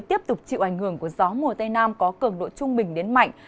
tiếp tục chịu ảnh hưởng của gió mùa tây nam có cường độ trung bình đến mạnh